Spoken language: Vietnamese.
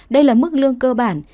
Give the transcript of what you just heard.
đây là mức lương cơ bản